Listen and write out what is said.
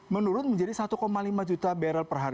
menurun menjadi satu lima juta barrel per hari